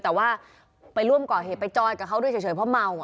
แต่ว่าไปร่วมก่อเหตุไปจอยกับเขาด้วยเฉยเพราะเมา